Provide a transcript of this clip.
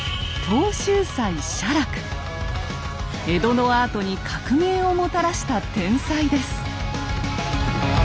江戸のアートに革命をもたらした天才です。